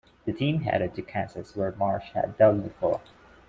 The team headed to Kansas where Marsh had dug before.